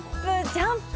ジャンプ！！